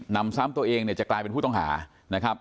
นำซ้ำตัวเองเนี่ยจะกลายเป็นผู้ต้องหานะครับ